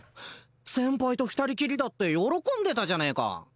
先輩と二人きりだって喜んでたじゃねえか